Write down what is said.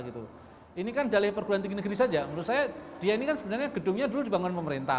ini kan dalih perguruan tinggi negeri saja menurut saya dia ini kan sebenarnya gedungnya dulu dibangun pemerintah